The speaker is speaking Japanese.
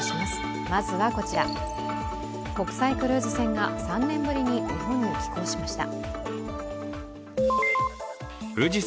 国際クルーズ船が３年ぶりに日本に寄港しました。